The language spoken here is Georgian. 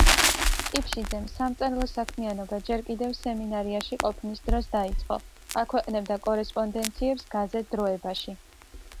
ყიფშიძემ სამწერლო საქმიანობა ჯერ კიდევ სემინარიაში ყოფნის დროს დაიწყო, აქვეყნებდა კორესპონდენციებს გაზეთ „დროებაში“.